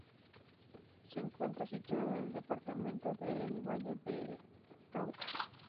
Se encuentra situado en el departamento del Valle del Cauca.